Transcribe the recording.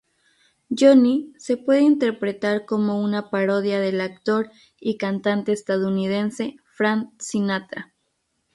Johnny se puede interpretar como una parodia del actor y cantante estadounidense Frank Sinatra.